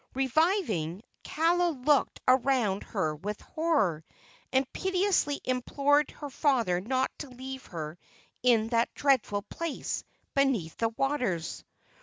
Reviving, Kaala looked around her with horror, and piteously implored her father not to leave her in that dreadful place beneath the waters.